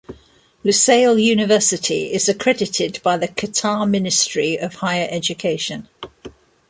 Lusail University is accredited by the Qatar Ministry of Higher Education.